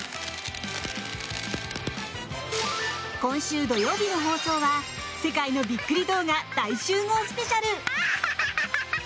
今週土曜日の放送は世界のびっくり動画大集合スペシャル！